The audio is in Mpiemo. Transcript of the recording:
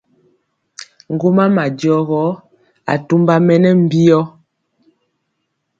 Ŋgomam a jɔ gɔ, atumba mɛ nɛ mbiyɔ.